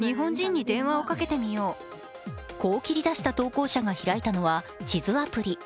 こうり切り出した投稿者が開いたのは地図アプリ。